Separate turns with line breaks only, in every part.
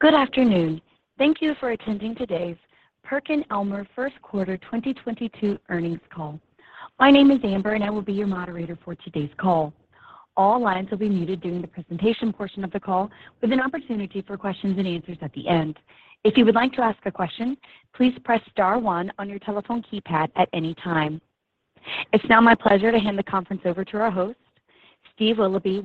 Good afternoon. Thank you for attending today's PerkinElmer first quarter 2022 earnings call. My name is Amber, and I will be your moderator for today's call. All lines will be muted during the presentation portion of the call with an opportunity for questions and answers at the end. If you would like to ask a question, please press star one on your telephone keypad at any time. It's now my pleasure to hand the conference over to our host, Steve Willoughby,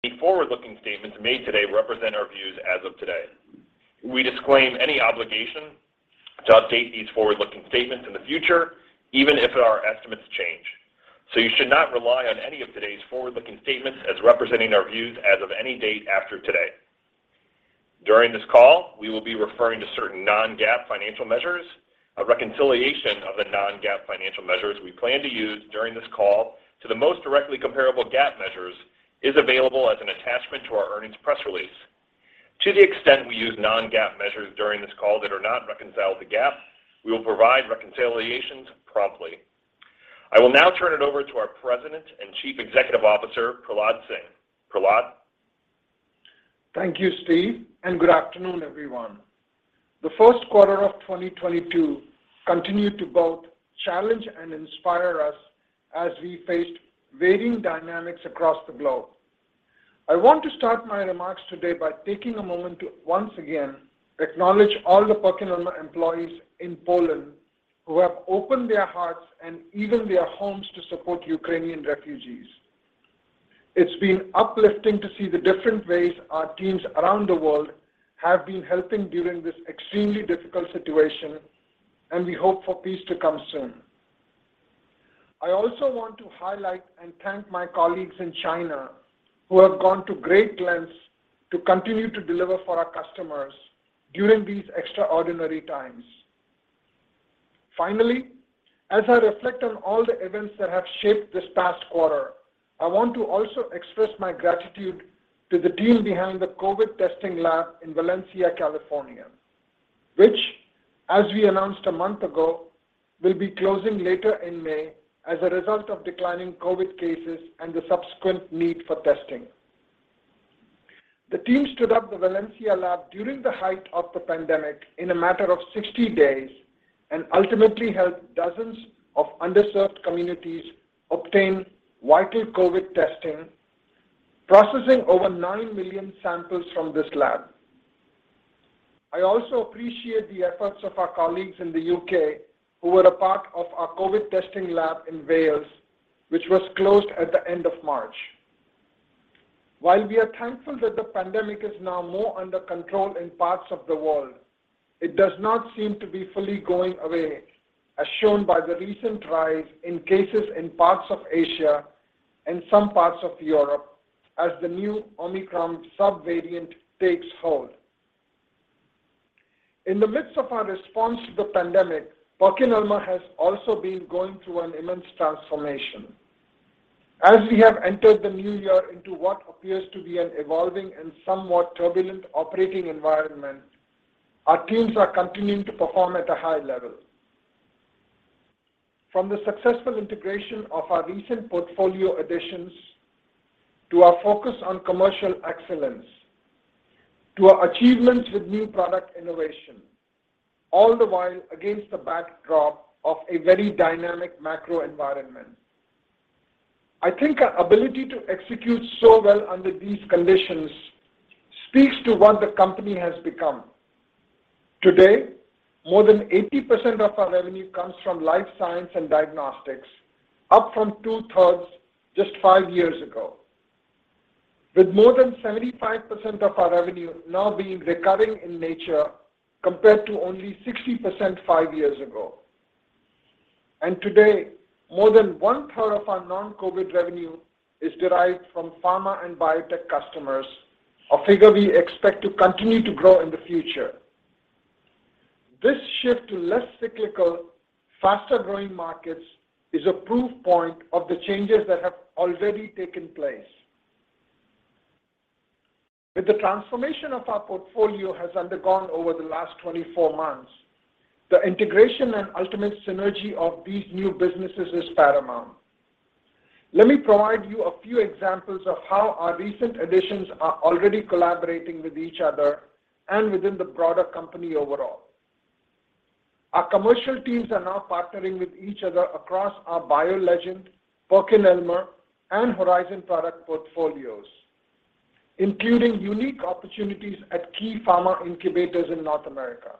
with Perkin-
Any forward-looking statements made today represent our views as of today. We disclaim any obligation to update these forward-looking statements in the future, even if our estimates change. You should not rely on any of today's forward-looking statements as representing our views as of any date after today. During this call, we will be referring to certain non-GAAP financial measures. A reconciliation of the non-GAAP financial measures we plan to use during this call to the most directly comparable GAAP measures is available as an attachment to our earnings press release. To the extent we use non-GAAP measures during this call that are not reconciled to GAAP, we will provide reconciliations promptly. I will now turn it over to our President and Chief Executive Officer, Prahlad Singh. Prahlad.
Thank you, Steve, and good afternoon, everyone. The first quarter of 2022 continued to both challenge and inspire us as we faced varying dynamics across the globe. I want to start my remarks today by taking a moment to once again acknowledge all the PerkinElmer employees in Poland who have opened their hearts and even their homes to support Ukrainian refugees. It's been uplifting to see the different ways our teams around the world have been helping during this extremely difficult situation, and we hope for peace to come soon. I also want to highlight and thank my colleagues in China who have gone to great lengths to continue to deliver for our customers during these extraordinary times. Finally, as I reflect on all the events that have shaped this past quarter, I want to also express my gratitude to the team behind the COVID testing lab in Valencia, California, which, as we announced a month ago, will be closing later in May as a result of declining COVID cases and the subsequent need for testing. The team stood up the Valencia lab during the height of the pandemic in a matter of 60 days and ultimately helped dozens of underserved communities obtain vital COVID testing, processing over 9 million samples from this lab. I also appreciate the efforts of our colleagues in the U.K. who were a part of our COVID testing lab in Wales, which was closed at the end of March. While we are thankful that the pandemic is now more under control in parts of the world, it does not seem to be fully going away, as shown by the recent rise in cases in parts of Asia and some parts of Europe as the new Omicron subvariant takes hold. In the midst of our response to the pandemic, PerkinElmer has also been going through an immense transformation. As we have entered the new year into what appears to be an evolving and somewhat turbulent operating environment, our teams are continuing to perform at a high level. From the successful integration of our recent portfolio additions, to our focus on commercial excellence, to our achievements with new product innovation, all the while against the backdrop of a very dynamic macro environment. I think our ability to execute so well under these conditions speaks to what the company has become. Today, more than 80% of our revenue comes from Life Sciences and Diagnostics, up from 2/3 just five years ago, with more than 75% of our revenue now being recurring in nature compared to only 60% five years ago. Today, more than 1/3 of our non-COVID revenue is derived from pharma and biotech customers, a figure we expect to continue to grow in the future. This shift to less cyclical, faster-growing markets is a proof point of the changes that have already taken place. With the transformation of our portfolio has undergone over the last 24 months, the integration and ultimate synergy of these new businesses is paramount. Let me provide you a few examples of how our recent additions are already collaborating with each other and within the broader company overall. Our commercial teams are now partnering with each other across our BioLegend, PerkinElmer, and Horizon product portfolios, including unique opportunities at key pharma incubators in North America.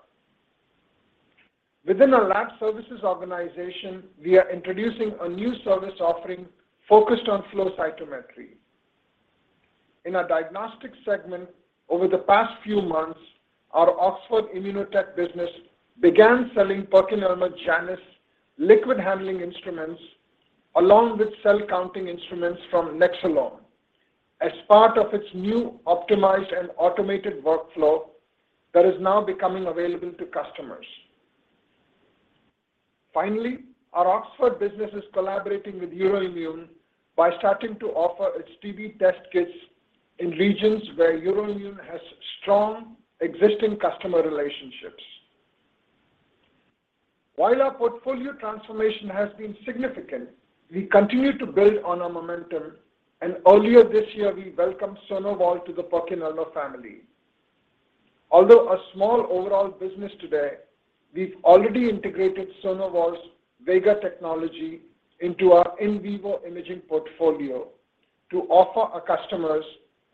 Within our lab services organization, we are introducing a new service offering focused on flow cytometry. In our diagnostic segment over the past few months, our Oxford Immunotec business began selling PerkinElmer JANUS liquid handling instruments along with cell counting instruments from Nexcelom as part of its new optimized and automated workflow that is now becoming available to customers. Finally, our Oxford business is collaborating with Euroimmun by starting to offer its TB test kits in regions where Euroimmun has strong existing customer relationships. While our portfolio transformation has been significant, we continue to build on our momentum, and earlier this year we welcomed SonoVol to the PerkinElmer family. Although a small overall business today, we've already integrated SonoVol's Vega technology into our in vivo imaging portfolio to offer our customers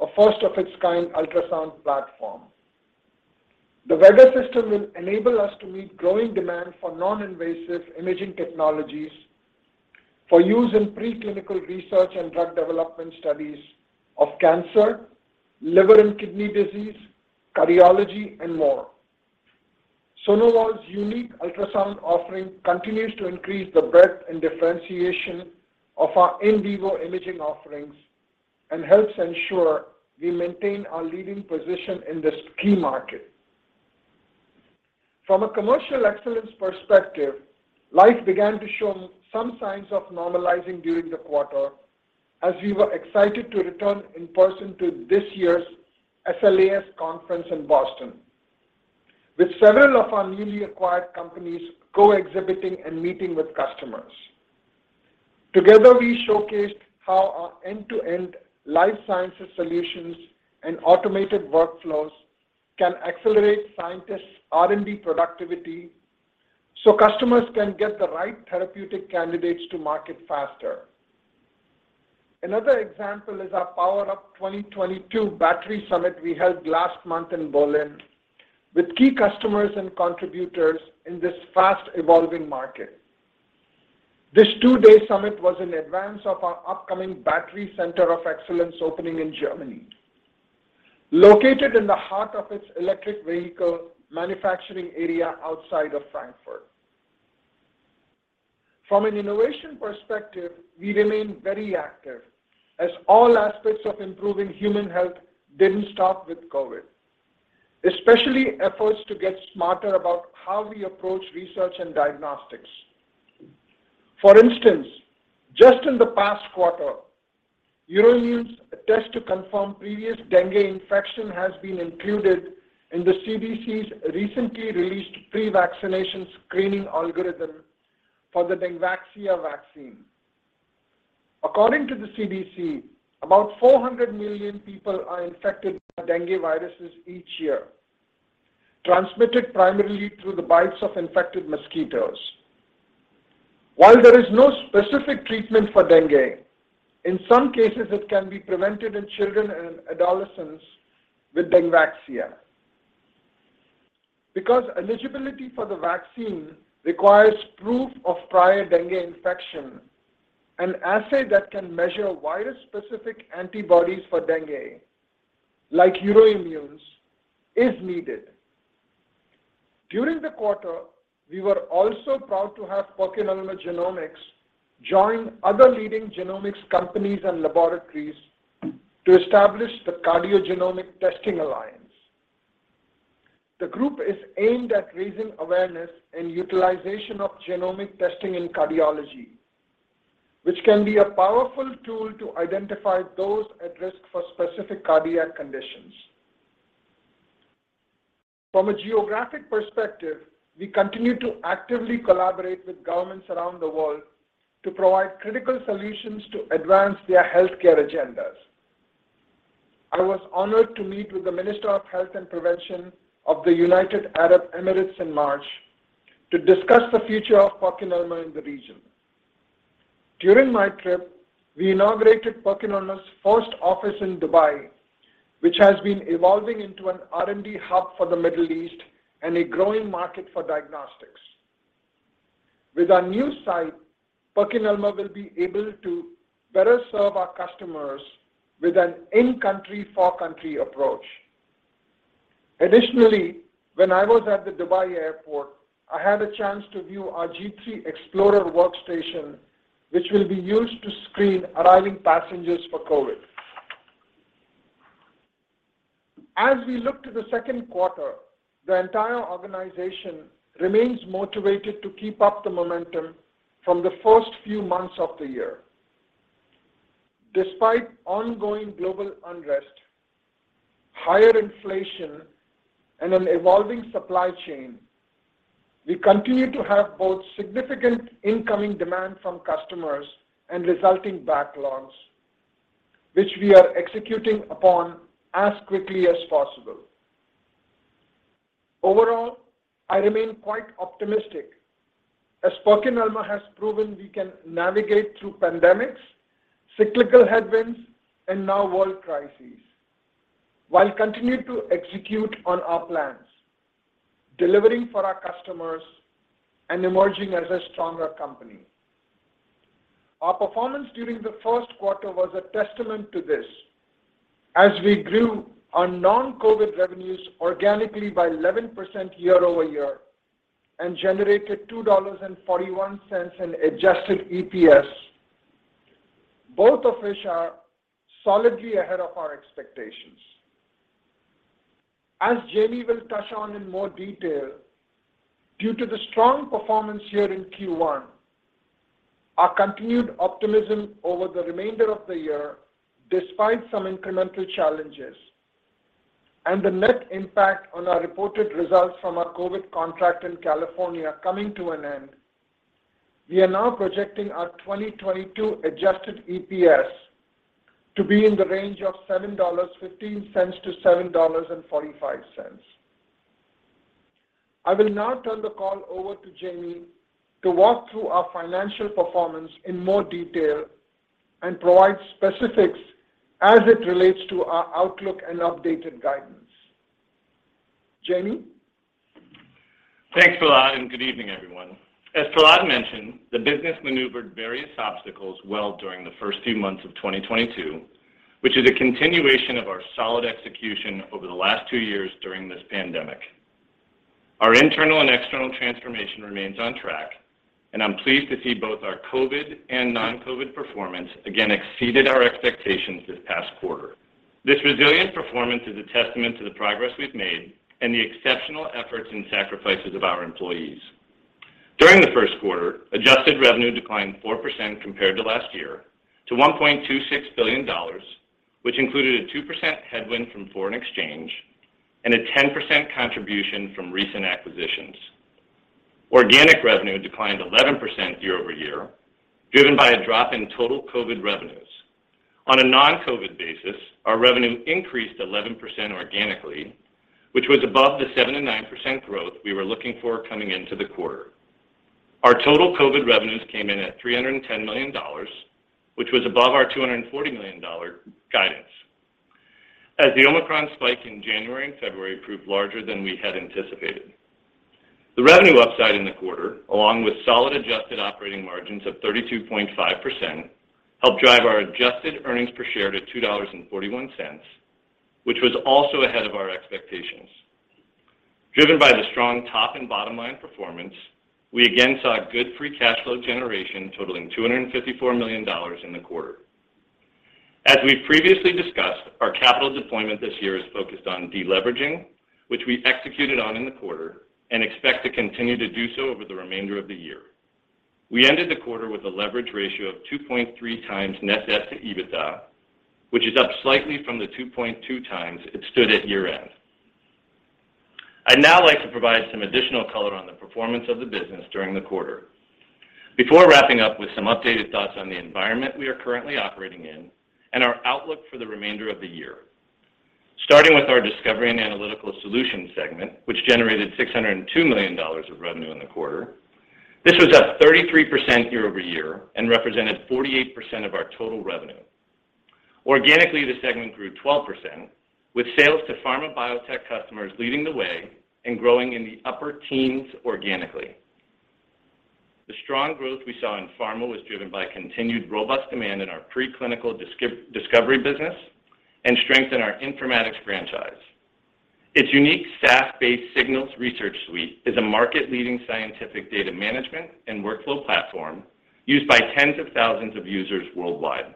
a first of its kind ultrasound platform. The Vega system will enable us to meet growing demand for non-invasive imaging technologies for use in preclinical research and drug development studies of cancer, liver and kidney disease, cardiology, and more. SonoVol's unique ultrasound offering continues to increase the breadth and differentiation of our in vivo imaging offerings and helps ensure we maintain our leading position in this key market. From a commercial excellence perspective, life began to show some signs of normalizing during the quarter as we were excited to return in person to this year's SLAS conference in Boston, with several of our newly acquired companies co-exhibiting and meeting with customers. Together, we showcased how our end-to-end life sciences solutions and automated workflows can accelerate scientists' R&D productivity so customers can get the right therapeutic candidates to market faster. Another example is our Power Up 2022 battery summit we held last month in Berlin with key customers and contributors in this fast evolving market. This two-day summit was in advance of our upcoming battery center of excellence opening in Germany, located in the heart of its electric vehicle manufacturing area outside of Frankfurt. From an innovation perspective, we remain very active as all aspects of improving human health didn't stop with COVID, especially efforts to get smarter about how we approach research and diagnostics. For instance, just in the past quarter, Euroimmun's test to confirm previous dengue infection has been included in the CDC's recently released pre-vaccination screening algorithm for the Dengvaxia vaccine. According to the CDC, about 400 million people are infected by dengue viruses each year, transmitted primarily through the bites of infected mosquitoes. While there is no specific treatment for dengue, in some cases it can be prevented in children and adolescents with Dengvaxia. Because eligibility for the vaccine requires proof of prior dengue infection, an assay that can measure virus-specific antibodies for dengue, like Euroimmun's, is needed. During the quarter, we were also proud to have PerkinElmer Genomics join other leading genomics companies and laboratories to establish the CardioGenomic Testing Alliance. The group is aimed at raising awareness and utilization of genomic testing in cardiology, which can be a powerful tool to identify those at risk for specific cardiac conditions. From a geographic perspective, we continue to actively collaborate with governments around the world to provide critical solutions to advance their healthcare agendas. I was honored to meet with the Minister of Health and Prevention of the United Arab Emirates in March to discuss the future of PerkinElmer in the region. During my trip, we inaugurated PerkinElmer's first office in Dubai, which has been evolving into an R&D hub for the Middle East and a growing market for diagnostics. With our new site, PerkinElmer will be able to better serve our customers with an in-country, for-country approach. Additionally, when I was at the Dubai airport, I had a chance to view our G3 Explorer workstation, which will be used to screen arriving passengers for COVID. As we look to the second quarter, the entire organization remains motivated to keep up the momentum from the first few months of the year. Despite ongoing global unrest. Higher inflation and an evolving supply chain, we continue to have both significant incoming demand from customers and resulting backlogs, which we are executing upon as quickly as possible. Overall, I remain quite optimistic. As PerkinElmer has proven, we can navigate through pandemics, cyclical headwinds, and now world crises, while continuing to execute on our plans, delivering for our customers and emerging as a stronger company. Our performance during the first quarter was a testament to this. As we grew our non-COVID revenues organically by 11% year-over-year and generated $2.41 in adjusted EPS, both of which are solidly ahead of our expectations. As Jamey will touch on in more detail, due to the strong performance here in Q1, our continued optimism over the remainder of the year, despite some incremental challenges, and the net impact on our reported results from our COVID contract in California coming to an end, we are now projecting our 2022 adjusted EPS to be in the range of $7.15-$7.45. I will now turn the call over to Jamey to walk through our financial performance in more detail and provide specifics as it relates to our outlook and updated guidance. Jamey?
Thanks, Prahlad, and good evening, everyone. As Prahlad mentioned, the business maneuvered various obstacles well during the first few months of 2022, which is a continuation of our solid execution over the last two years during this pandemic. Our internal and external transformation remains on track, and I'm pleased to see both our COVID and non-COVID performance again exceeded our expectations this past quarter. This resilient performance is a testament to the progress we've made and the exceptional efforts and sacrifices of our employees. During the first quarter, adjusted revenue declined 4% compared to last year to $1.26 billion, which included a 2% headwind from foreign exchange and a 10% contribution from recent acquisitions. Organic revenue declined 11% year-over-year, driven by a drop in total COVID revenues. On a non-COVID basis, our revenue increased 11% organically, which was above the 7% and 9% growth we were looking for coming into the quarter. Our total COVID revenues came in at $310 million, which was above our $240 million guidance, as the Omicron spike in January and February proved larger than we had anticipated. The revenue upside in the quarter, along with solid adjusted operating margins of 32.5%, helped drive our adjusted earnings per share to $2.41, which was also ahead of our expectations. Driven by the strong top and bottom line performance, we again saw good free cash flow generation totaling $254 million in the quarter. As we've previously discussed, our capital deployment this year is focused on deleveraging, which we executed on in the quarter and expect to continue to do so over the remainder of the year. We ended the quarter with a leverage ratio of 2.3 times net debt to EBITDA, which is up slightly from the 2.2 times it stood at year-end. I'd now like to provide some additional color on the performance of the business during the quarter before wrapping up with some updated thoughts on the environment we are currently operating in and our outlook for the remainder of the year. Starting with our discovery and analytical solutions segment, which generated $602 million of revenue in the quarter. This was up 33% year-over-year and represented 48% of our total revenue. Organically, the segment grew 12%, with sales to pharma biotech customers leading the way and growing in the upper teens organically. The strong growth we saw in pharma was driven by continued robust demand in our pre-clinical discovery business and strength in our informatics franchise. Its unique SaaS-based Signals Research Suite is a market-leading scientific data management and workflow platform used by tens of thousands of users worldwide.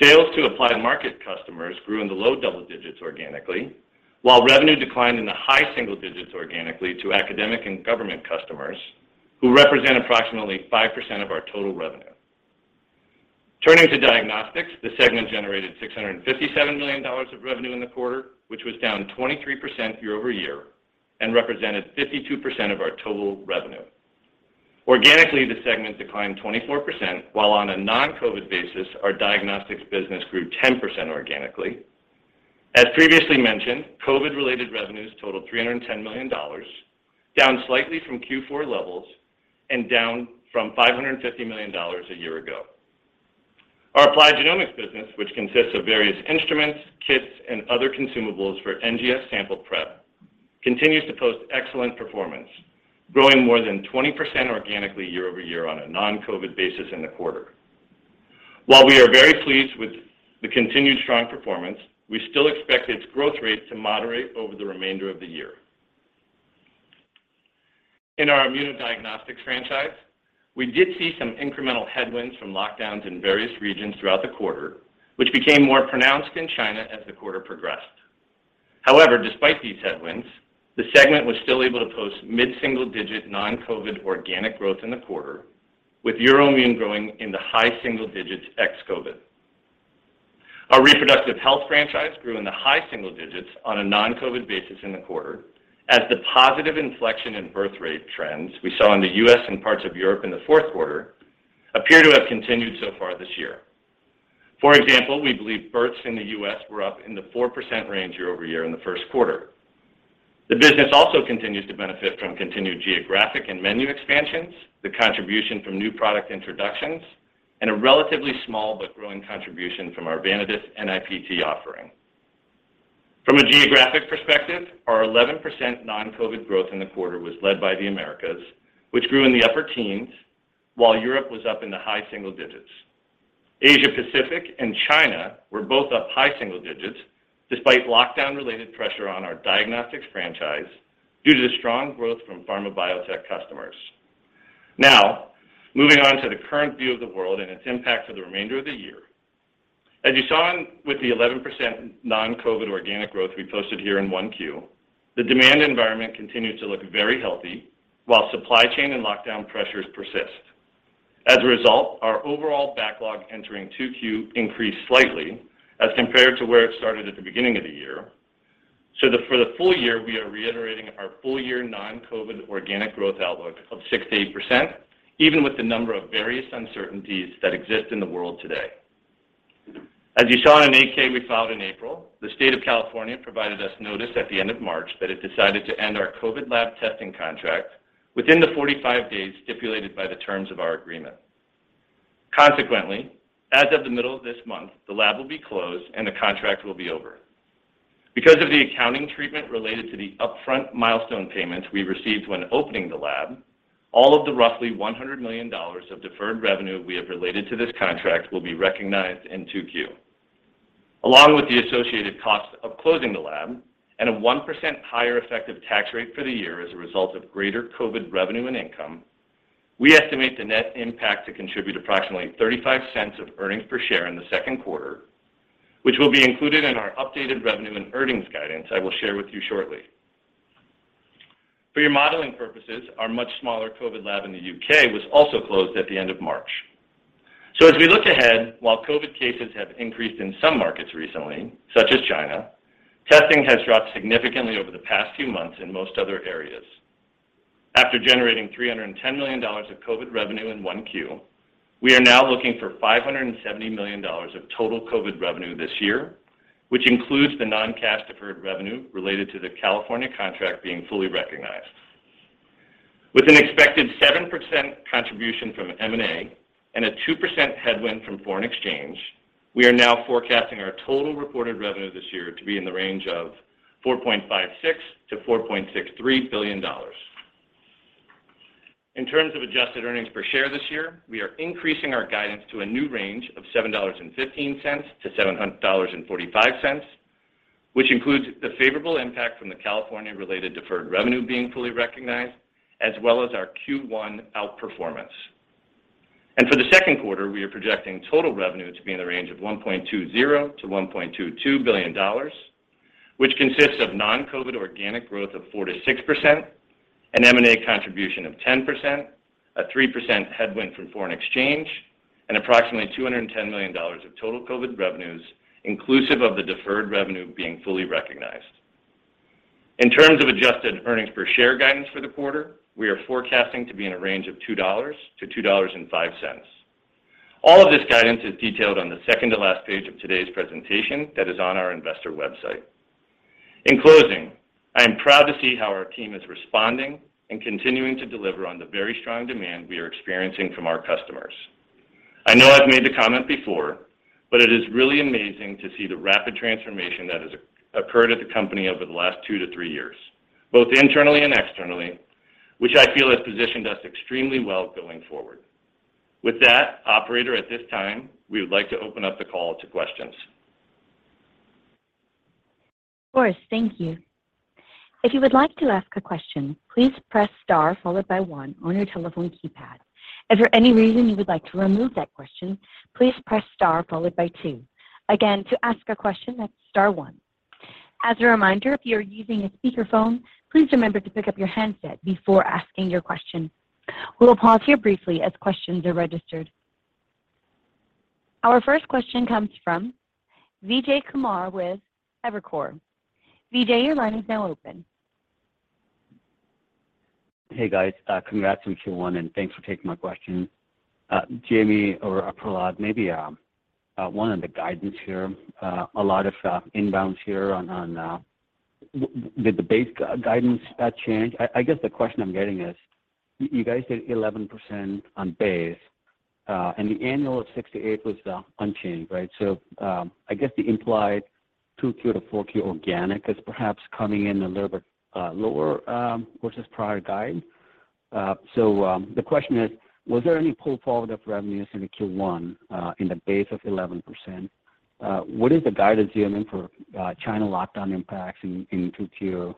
Sales to applied market customers grew in the low double digits organically, while revenue declined in the high single digits organically to academic and government customers, who represent approximately 5% of our total revenue. Turning to diagnostics, the segment generated $657 million of revenue in the quarter, which was down 23% year-over-year and represented 52% of our total revenue. Organically, the segment declined 24%, while on a non-COVID basis, our diagnostics business grew 10% organically. As previously mentioned, COVID-related revenues totaled $310 million, down slightly from Q4 levels and down from $550 million a year ago. Our applied genomics business, which consists of various instruments, kits, and other consumables for NGS sample prep, continues to post excellent performance, growing more than 20% organically year-over-year on a non-COVID basis in the quarter. While we are very pleased with the continued strong performance, we still expect its growth rate to moderate over the remainder of the year. In our immunodiagnostics franchise, we did see some incremental headwinds from lockdowns in various regions throughout the quarter, which became more pronounced in China as the quarter progressed. However, despite these headwinds, the segment was still able to post mid-single digit non-COVID organic growth in the quarter, with Euroimmun growing in the high single digits ex-COVID. Our reproductive health franchise grew in the high single digits on a non-COVID basis in the quarter as the positive inflection in birth rate trends we saw in the U.S. and parts of Europe in the fourth quarter appear to have continued so far this year. For example, we believe births in the U.S. were up in the 4% range year-over-year in the first quarter. The business also continues to benefit from continued geographic and menu expansions, the contribution from new product introductions, and a relatively small but growing contribution from our Vanadis NIPT offering. From a geographic perspective, our 11% non-COVID growth in the quarter was led by the Americas, which grew in the upper teens, while Europe was up in the high single digits. Asia Pacific and China were both up high single digits despite lockdown-related pressure on our diagnostics franchise due to the strong growth from pharma biotech customers. Now, moving on to the current view of the world and its impact for the remainder of the year. As you saw in Q1 with the 11% non-COVID organic growth we posted here in 1Q, the demand environment continued to look very healthy while supply chain and lockdown pressures persist. As a result, our overall backlog entering 2Q increased slightly as compared to where it started at the beginning of the year. For the full year, we are reiterating our full-year non-COVID organic growth outlook of 6%-8%, even with the number of various uncertainties that exist in the world today. As you saw in an 8-K we filed in April, the state of California provided us notice at the end of March that it decided to end our COVID lab testing contract within the 45 days stipulated by the terms of our agreement. Consequently, as of the middle of this month, the lab will be closed and the contract will be over. Because of the accounting treatment related to the upfront milestone payments we received when opening the lab, all of the roughly $100 million of deferred revenue we have related to this contract will be recognized in Q2. Along with the associated cost of closing the lab and a 1% higher effective tax rate for the year as a result of greater COVID revenue and income, we estimate the net impact to contribute approximately $0.35 of earnings per share in the second quarter, which will be included in our updated revenue and earnings guidance I will share with you shortly. For your modeling purposes, our much smaller COVID lab in the U.K. was also closed at the end of March. As we look ahead, while COVID cases have increased in some markets recently, such as China, testing has dropped significantly over the past few months in most other areas. After generating $310 million of COVID revenue in Q1, we are now looking for $570 million of total COVID revenue this year, which includes the non-cash deferred revenue related to the California contract being fully recognized. With an expected 7% contribution from M&A and a 2% headwind from foreign exchange, we are now forecasting our total reported revenue this year to be in the range of $4.56-$4.63 billion. In terms of adjusted earnings per share this year, we are increasing our guidance to a new range of $7.15-$7.45, which includes the favorable impact from the California-related deferred revenue being fully recognized, as well as our Q1 outperformance. For the second quarter, we are projecting total revenue to be in the range of $1.20-$1.22 billion, which consists of non-COVID organic growth of 4%-6%, an M&A contribution of 10%, a 3% headwind from foreign exchange, and approximately $210 million of total COVID revenues, inclusive of the deferred revenue being fully recognized. In terms of adjusted earnings per share guidance for the quarter, we are forecasting to be in a range of $2.00-$2.05. All of this guidance is detailed on the second to last page of today's presentation that is on our investor website. In closing, I am proud to see how our team is responding and continuing to deliver on the very strong demand we are experiencing from our customers. I know I've made the comment before, but it is really amazing to see the rapid transformation that has occurred at the company over the last two to three years, both internally and externally, which I feel has positioned us extremely well going forward. With that, operator, at this time, we would like to open up the call to questions.
Of course. Thank you. If you would like to ask a question, please press star followed by one on your telephone keypad. If for any reason you would like to remove that question, please press star followed by two. Again, to ask a question, that's star one. As a reminder, if you're using a speakerphone, please remember to pick up your handset before asking your question. We will pause here briefly as questions are registered. Our first question comes from Vijay Kumar with Evercore. Vijay, your line is now open.
Hey guys, congrats on Q1, and thanks for taking my question. Jamey or Prahlad, maybe one on the guidance here. A lot of inbounds here on. Did the base guidance change? I guess the question I'm getting is, you guys did 11% on base, and the annual of 6%-8% was unchanged, right? I guess the implied 2Q to 4Q organic is perhaps coming in a little bit lower versus prior guide. The question is, was there any pull-forward of revenues in the Q1 in the base of 11%? What is the guidance you have in for China lockdown impacts in 2Q?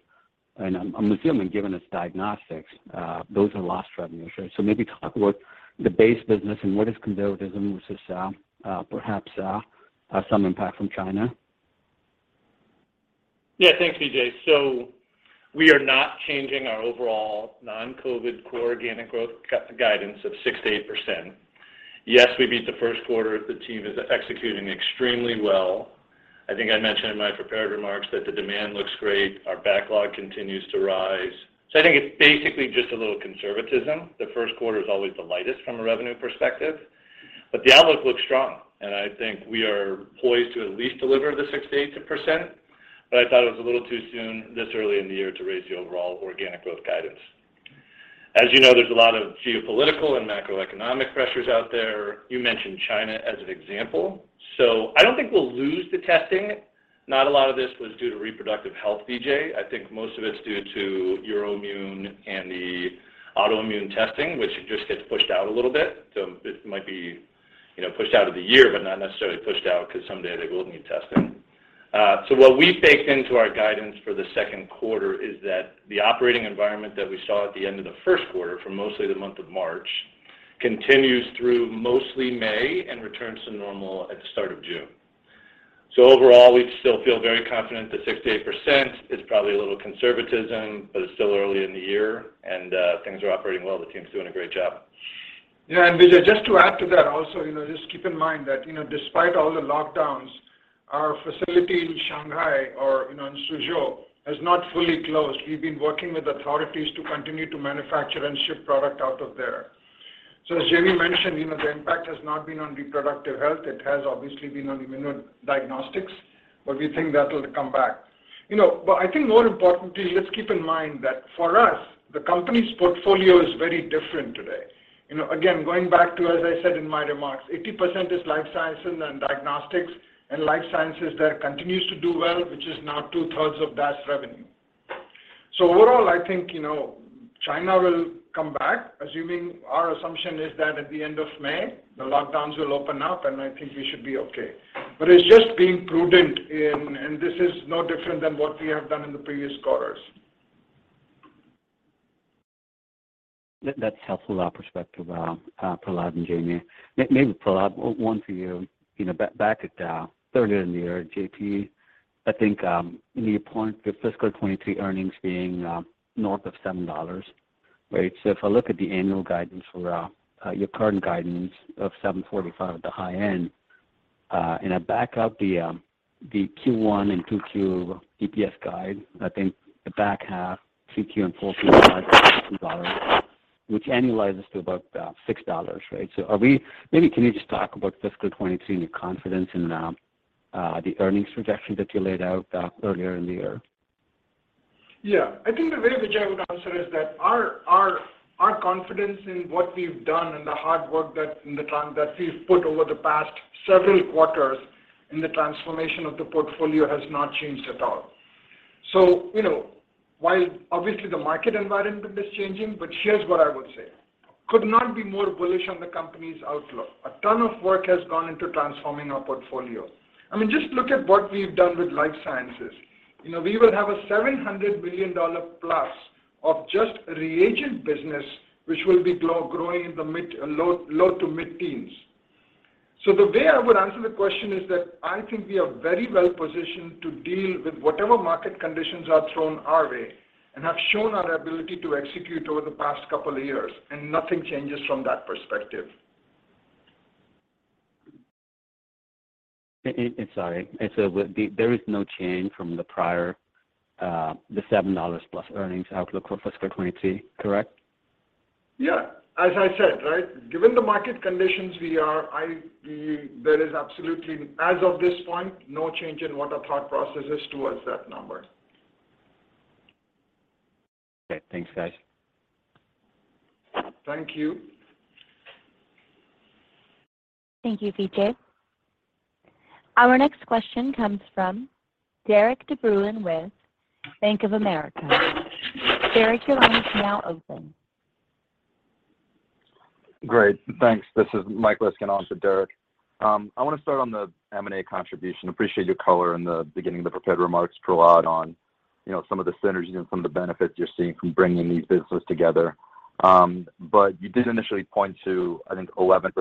I'm assuming given it's diagnostics, those are lost revenues, right? Maybe talk about the base business and what is conservatism versus, perhaps, some impact from China.
Yeah. Thanks, Vijay. We are not changing our overall non-COVID core organic growth guidance of 6%-8%. Yes, we beat the first quarter. The team is executing extremely well. I think I mentioned in my prepared remarks that the demand looks great. Our backlog continues to rise. I think it's basically just a little conservatism. The first quarter is always the lightest from a revenue perspective, but the outlook looks strong, and I think we are poised to at least deliver the 6%-8%. I thought it was a little too soon this early in the year to raise the overall organic growth guidance. As you know, there's a lot of geopolitical and macroeconomic pressures out there. You mentioned China as an example. I don't think we'll lose the testing. Not a lot of this was due to reproductive health, Vijay. I think most of it's due to Euroimmun and the autoimmune testing, which it just gets pushed out a little bit. It might be, you know, pushed out of the year, but not necessarily pushed out because someday they will need testing. What we've baked into our guidance for the second quarter is that the operating environment that we saw at the end of the first quarter, for mostly the month of March, continues through mostly May and returns to normal at the start of June. Overall, we still feel very confident that 6%-8%. It's probably a little conservatism, but it's still early in the year, and things are operating well. The team's doing a great job.
Yeah. Vijay, just to add to that also, you know, just keep in mind that, you know, despite all the lockdowns, our facility in Shanghai or, you know, in Suzhou has not fully closed. We've been working with authorities to continue to manufacture and ship product out of there. As Jamie mentioned, you know, the impact has not been on reproductive health. It has obviously been on immunodiagnostics, but we think that will come back. You know, I think more importantly, let's keep in mind that for us, the company's portfolio is very different today. You know, again, going back to, as I said in my remarks, 80% is life sciences and diagnostics and life sciences that continues to do well, which is now two-thirds of DAS revenue. Overall, I think, you know, China will come back, assuming our assumption is that at the end of May, the lockdowns will open up, and I think we should be okay. It's just being prudent and this is no different than what we have done in the previous quarters.
That's helpful perspective, Prahlad and Jamey. Maybe Prahlad, one for you. You know, back at earlier in the year at JP, I think you point to fiscal 2023 earnings being north of $7, right? If I look at the annual guidance for your current guidance of $7.45 at the high end, and I back out the Q1 and Q2 EPS guide, I think the back half, Q2 and Q4, which annualizes to about $6, right? Maybe can you just talk about fiscal 2022 and your confidence in the earnings projection that you laid out earlier in the year?
Yeah. I think the way, Vijay, I would answer is that our confidence in what we've done and the hard work and the time that we've put over the past several quarters in the transformation of the portfolio has not changed at all. You know, while obviously the market environment is changing, but here's what I would say. Could not be more bullish on the company's outlook. A ton of work has gone into transforming our portfolio. I mean, just look at what we've done with Life Sciences. You know, we will have a $700 billion plus of just reagent business, which will be growing in the low- to mid-teens%. The way I would answer the question is that I think we are very well positioned to deal with whatever market conditions are thrown our way, and have shown our ability to execute over the past couple of years, and nothing changes from that perspective.
Sorry. There is no change from the prior, the $7+ earnings outlook for fiscal 2022, correct?
Yeah. As I said, right, given the market conditions, there is absolutely, as of this point, no change in what our thought process is towards that number.
Okay. Thanks, guys.
Thank you.
Thank you, Vijay. Our next question comes from Derik De Bruin with Bank of America. Derik, your line is now open.
Great. Thanks. This is Michael Ryskin on for Derik. I want to start on the M&A contribution. Appreciate your color in the beginning of the prepared remarks, Prahlad, on, you know, some of the synergy and some of the benefits you're seeing from bringing these businesses together. But you did initially point to, I think, 11%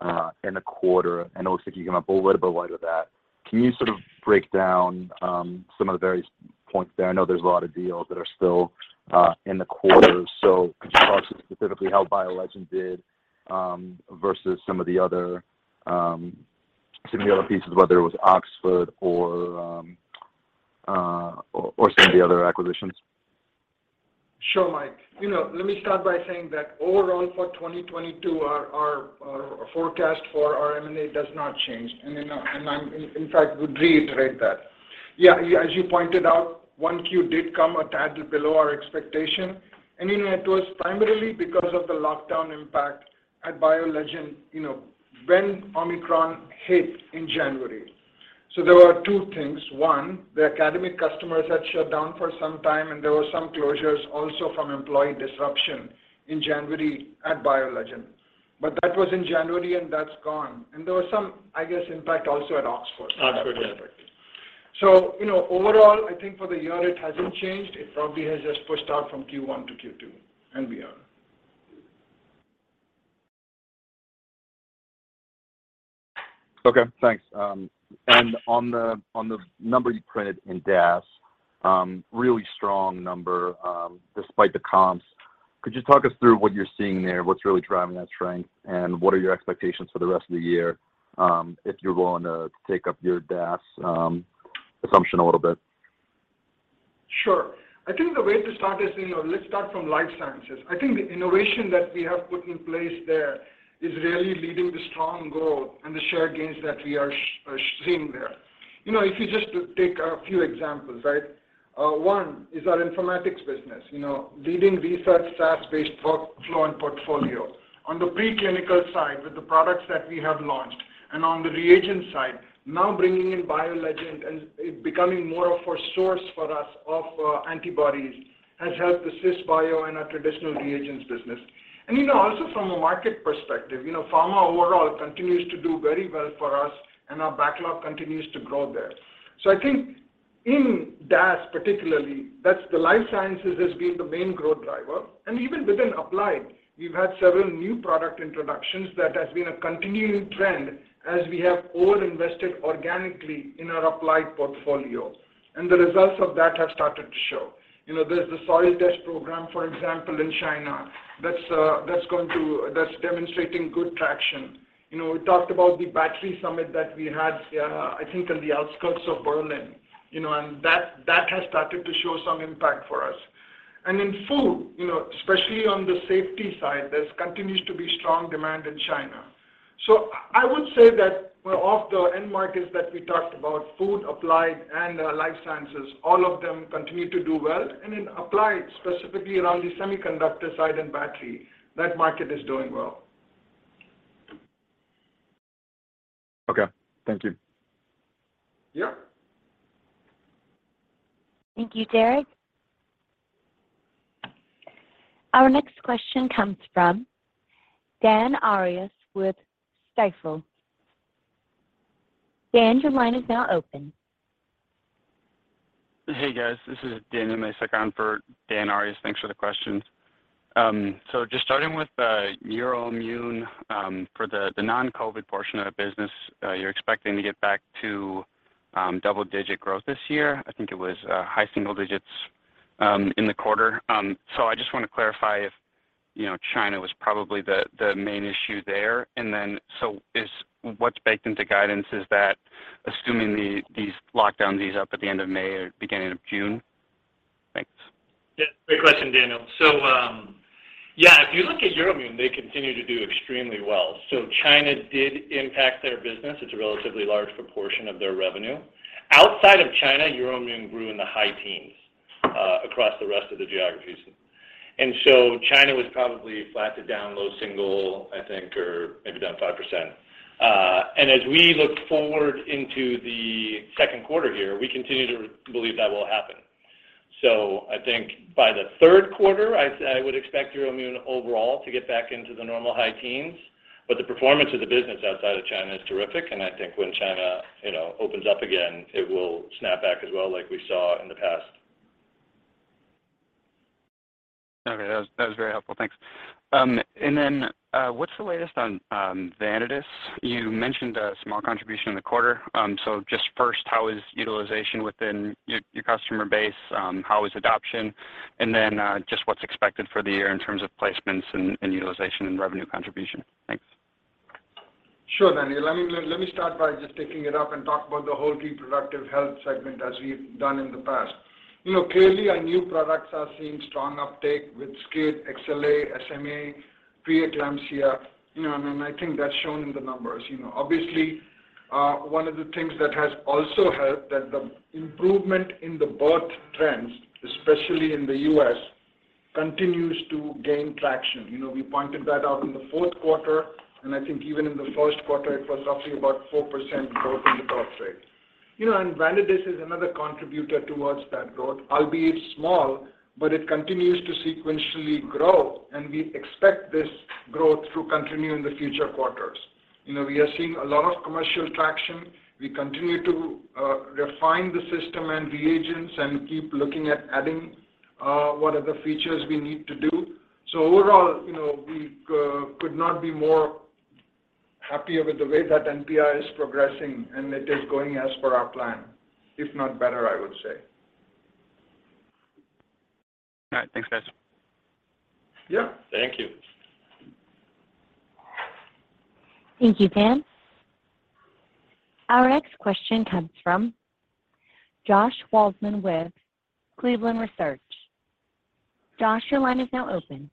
M&A in the quarter, and it looks like you came up a little bit light of that. Can you sort of break down some of the various points there? I know there's a lot of deals that are still in the quarter. Could you talk specifically how BioLegend did versus some of the other pieces, whether it was Oxford or some of the other acquisitions?
Sure, Mike. You know, let me start by saying that overall for 2022, our forecast for our M&A does not change. You know, in fact, I would reiterate that. Yeah, as you pointed out, 1Q did come a tad below our expectation. You know, it was primarily because of the lockdown impact at BioLegend, you know, when Omicron hit in January. There were two things. One, the academic customers had shut down for some time, and there were some closures also from employee disruption in January at BioLegend. That was in January, and that's gone. There was some, I guess, impact also at Oxford.
Oxford, yeah.
You know, overall, I think for the year it hasn't changed. It probably has just pushed out from Q1 to Q2 and beyond.
Okay, thanks. On the number you printed in DAS, really strong number, despite the comps. Could you talk us through what you're seeing there? What's really driving that strength, and what are your expectations for the rest of the year, if you're willing to take up your DAS assumption a little bit?
Sure. I think the way to start is, you know, let's start from Life Sciences. I think the innovation that we have put in place there is really leading the strong growth and the share gains that we are seeing there. You know, if you just take a few examples, right? One is our informatics business, you know, leading research, SaaS-based workflow and portfolio. On the preclinical side, with the products that we have launched, and on the reagent side, now bringing in BioLegend and it becoming more of a source for us of antibodies, has helped us in our traditional reagents business. You know, also from a market perspective, you know, pharma overall continues to do very well for us, and our backlog continues to grow there. I think in DAS particularly, that's Life Sciences has been the main growth driver. Even within Applied, we've had several new product introductions that has been a continuing trend as we have over-invested organically in our Applied portfolio, and the results of that have started to show. You know, there's the soil test program, for example, in China that's demonstrating good traction. You know, we talked about the battery summit that we had, I think on the outskirts of Berlin, you know, and that has started to show some impact for us. In food, you know, especially on the safety side, there continues to be strong demand in China. So I would say that of the end markets that we talked about, food, Applied, and life sciences, all of them continue to do well. In Applied, specifically around the semiconductor side and battery, that market is doing well.
Okay. Thank you.
Yeah.
Thank you, Derik. Our next question comes from Dan Arias with Stifel. Dan, your line is now open.
Hey, guys. This is Daniel. Subbing for Dan Arias. Thanks for the questions. Just starting with Euroimmun, for the non-COVID portion of the business, you're expecting to get back to double-digit growth this year. I think it was high single digits in the quarter. I just want to clarify if, you know, China was probably the main issue there. What's baked into guidance, is that assuming these lockdowns ease up at the end of May or beginning of June? Thanks.
Yeah. Great question, Daniel. If you look at Euroimmun, they continue to do extremely well. China did impact their business. It's a relatively large proportion of their revenue. Outside of China, Euroimmun grew in the high teens across the rest of the geographies. China was probably flat to down low single, I think, or maybe down 5%. As we look forward into the second quarter here, we continue to believe that will happen. I think by the third quarter, I would expect Euroimmun overall to get back into the normal high teens. The performance of the business outside of China is terrific, and I think when China opens up again, it will snap back as well, like we saw in the past.
That was very helpful. Thanks. What's the latest on Vanadis? You mentioned a small contribution in the quarter. Just first, how is utilization within your customer base, how is adoption? Just what's expected for the year in terms of placements and utilization and revenue contribution? Thanks.
Sure, Daniel. Let me start by just picking it up and talk about the whole reproductive health segment as we've done in the past. You know, clearly our new products are seeing strong uptake with SCID, XLA, SMA, preeclampsia, you know, and I think that's shown in the numbers. You know, obviously, one of the things that has also helped that the improvement in the birth trends, especially in the U.S., continues to gain traction. You know, we pointed that out in the fourth quarter, and I think even in the first quarter it was roughly about 4% growth in the birthrate. You know, and Vanadis is another contributor towards that growth, albeit small, but it continues to sequentially grow, and we expect this growth to continue in the future quarters. You know, we are seeing a lot of commercial traction. We continue to refine the system and reagents and keep looking at adding what are the features we need to do. Overall, you know, we could not be more happier with the way that NPI is progressing, and it is going as per our plan, if not better, I would say.
All right. Thanks, guys.
Yeah.
Thank you.
Thank you, Dan. Our next question comes from Josh Waldman with Cleveland Research. Josh, your line is now open.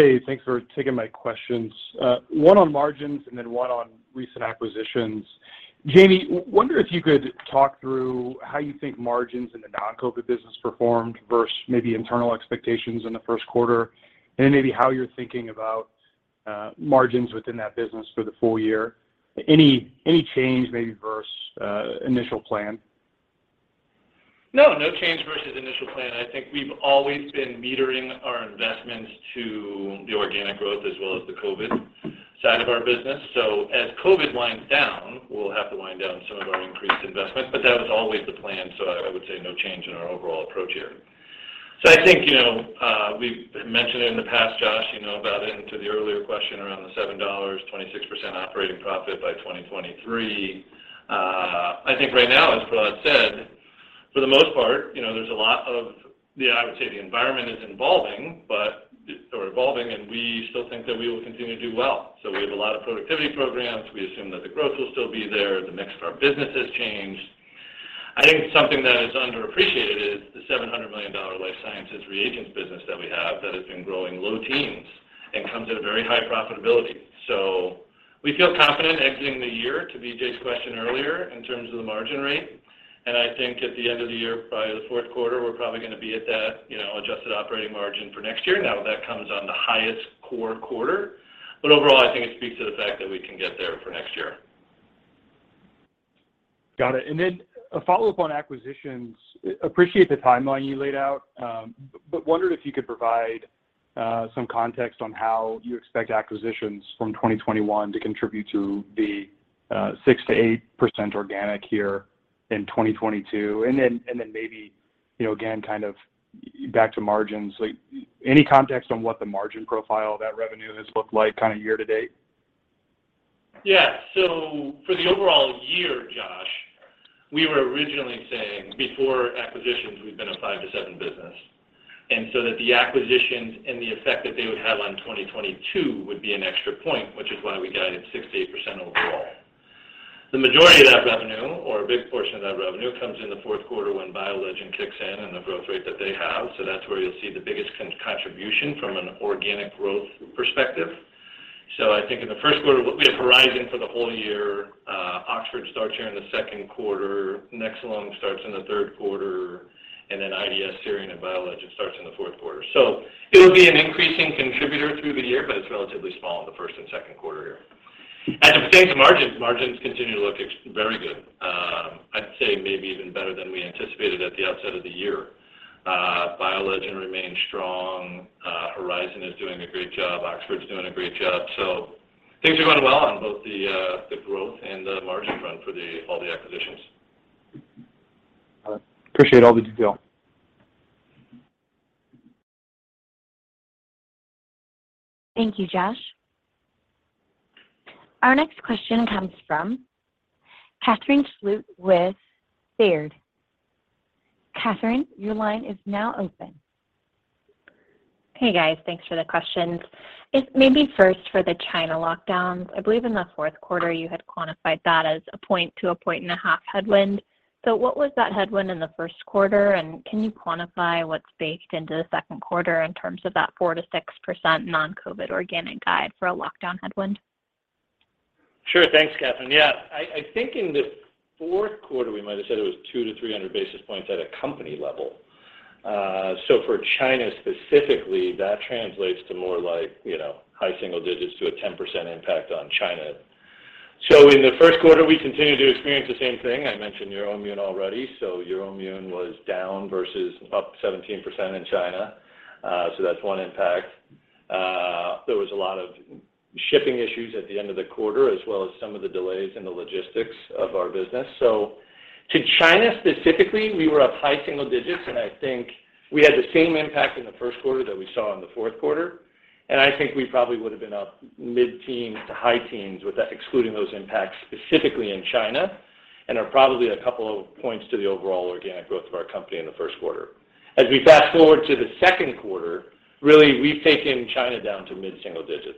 Hey, thanks for taking my questions. One on margins and then one on recent acquisitions. Jamie, wonder if you could talk through how you think margins in the non-COVID business performed versus maybe internal expectations in the first quarter, and maybe how you're thinking about margins within that business for the full year. Any change maybe versus initial plan?
No. No change versus initial plan. I think we've always been metering our investments to the organic growth as well as the COVID side of our business. As COVID winds down, we'll have to wind down some of our increased investments, but that was always the plan, so I would say no change in our overall approach here. I think, you know, we've mentioned it in the past, Josh, you know about it and to the earlier question around the $7, 26% operating profit by 2023. I think right now, as Prahlad said, for the most part, you know, there's a lot of the. I would say the environment is evolving, and we still think that we will continue to do well. We have a lot of productivity programs. We assume that the growth will still be there. The mix of our business has changed. I think something that is underappreciated is the $700 million life sciences reagents business that we have that has been growing low teens% and comes at a very high profitability. We feel confident exiting the year, to Vijay's question earlier, in terms of the margin rate. I think at the end of the year, by the fourth quarter, we're probably gonna be at that, you know, adjusted operating margin for next year. Now that comes on the highest core quarter. Overall, I think it speaks to the fact that we can get there for next year.
Got it. Then a follow-up on acquisitions. Appreciate the timeline you laid out, but wondered if you could provide some context on how you expect acquisitions from 2021 to contribute to the 6%-8% organic here in 2022. Then maybe, you know, again, kind of back to margins. Like, any context on what the margin profile of that revenue has looked like kind of year to date?
Yeah. For the overall year, Josh, we were originally saying before acquisitions, we've been a 5%-7% business. The acquisitions and the effect that they would have on 2022 would be an extra point, which is why we guided 6%-8% overall. The majority of that revenue or a big portion of that revenue comes in the fourth quarter when BioLegend kicks in and the growth rate that they have, so that's where you'll see the biggest contribution from an organic growth perspective. I think in the first quarter, we'll be at Horizon for the whole year. Oxford starts in the second quarter. Nexcelom starts in the third quarter, and then IDBS here and then BioLegend starts in the fourth quarter. It'll be an increasing contributor through the year, but it's relatively small in the first and second quarter here. As it pertains to margins continue to look very good. I'd say maybe even better than we anticipated at the outset of the year. BioLegend remains strong. Horizon is doing a great job. Oxford's doing a great job. Things are going well on both the growth and the margin front for all the acquisitions.
All right. Appreciate all the detail.
Thank you, Josh. Our next question comes from Catherine Schulte with Baird. Catherine, your line is now open.
Hey, guys. Thanks for the questions. If maybe first for the China lockdowns, I believe in the fourth quarter, you had quantified that as a 1-point to 1.5-point headwind. What was that headwind in the first quarter, and can you quantify what's baked into the second quarter in terms of that 4%-6% non-COVID organic guide for a lockdown headwind?
Sure. Thanks, Catherine. Yeah. I think in the fourth quarter, we might have said it was 200-300 basis points at a company level. For China specifically, that translates to more like, you know, high single digits to a 10% impact on China. In the first quarter, we continued to experience the same thing. I mentioned Euroimmun already. Euroimmun was down versus up 17% in China. That's one impact. There was a lot of shipping issues at the end of the quarter as well as some of the delays in the logistics of our business. To China specifically, we were up high single digits, and I think we had the same impact in the first quarter that we saw in the fourth quarter. I think we probably would have been up mid-teens to high-teens% with that, excluding those impacts specifically in China and are probably a couple of points to the overall organic growth of our company in the first quarter. As we fast-forward to the second quarter, really, we've taken China down to mid-single digits%.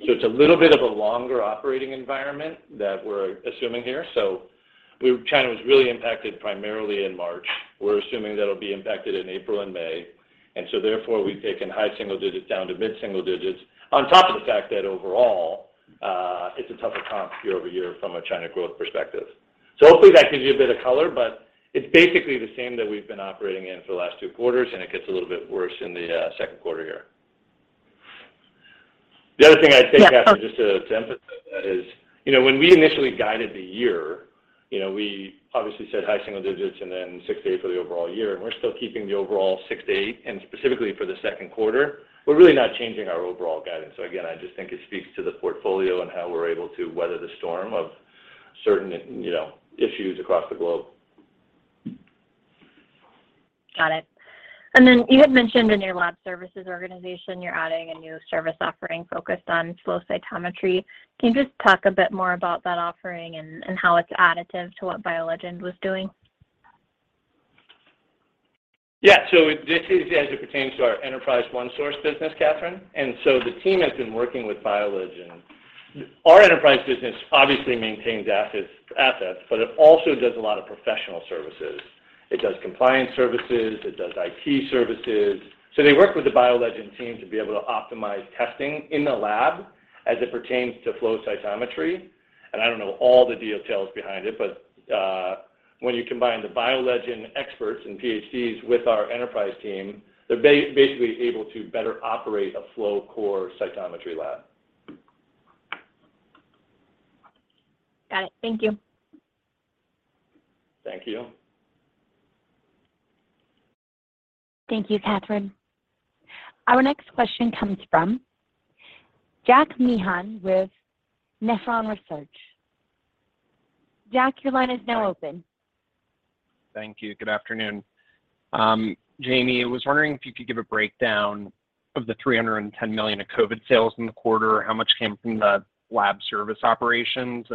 It's a little bit of a longer operating environment that we're assuming here. China was really impacted primarily in March. We're assuming that it'll be impacted in April and May. Therefore, we've taken high-single digits% down to mid-single digits% on top of the fact that overall, it's a tougher comp year-over-year from a China growth perspective. Hopefully that gives you a bit of color, but it's basically the same that we've been operating in for the last two quarters, and it gets a little bit worse in the second quarter here. The other thing I'd say, Catherine, just to emphasize that is, you know, when we initially guided the year, you know, we obviously said high single digits% and then 6%-8% for the overall year, and we're still keeping the overall 6%-8% and specifically for the second quarter. We're really not changing our overall guidance. Again, I just think it speaks to the portfolio and how we're able to weather the storm of certain, you know, issues across the globe.
Got it. You had mentioned in your lab services organization you're adding a new service offering focused on flow cytometry. Can you just talk a bit more about that offering and how it's additive to what BioLegend was doing?
Yeah. This is as it pertains to our enterprise OneSource business, Catherine. The team has been working with BioLegend. Our enterprise business obviously maintains assets, but it also does a lot of professional services. It does compliance services, it does IT services. They work with the BioLegend team to be able to optimize testing in the lab as it pertains to flow cytometry. I don't know all the details behind it, but when you combine the BioLegend experts and PhDs with our enterprise team, they're basically able to better operate a flow cytometry core lab.
Got it. Thank you.
Thank you.
Thank you, Catherine. Our next question comes from Jack Meehan with Nephron Research. Jack, your line is now open.
Thank you. Good afternoon. Jamey, I was wondering if you could give a breakdown of the $310 million of COVID sales in the quarter. How much came from the lab service operations?